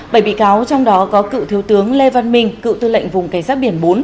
bảy bị cáo trong đó có cựu thiếu tướng lê văn minh cựu tư lệnh vùng cảnh sát biển bốn